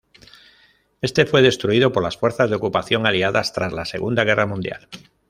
Éste fue destruido por las fuerzas de ocupación aliadas tras la Segunda Guerra Mundial.